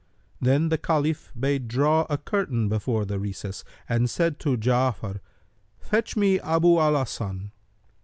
Then the Caliph bade draw a curtain before the recess and said to Ja'afar, "Fetch me Abu al Hasan."